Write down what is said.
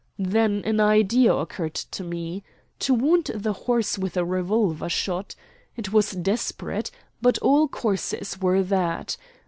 Then an idea occurred to me to wound the horse with a revolver shot. It was desperate; but all courses were that.